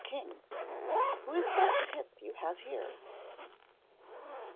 KING, WHO IS THAT PIP YOU HAVE HERE?"